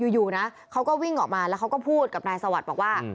อยู่นะเขาก็วิ่งออกมาแล้วเขาก็พูดกับนายสวัสดิ์บอกว่า